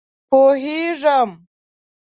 _پوهېږم.